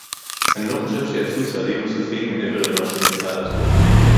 אני לא חושב שייעשו צעדים נוספים מעבר למה שנעשה עד כה